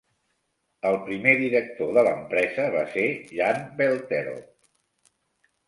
El primer director de l'empresa va ser Jan Velterop.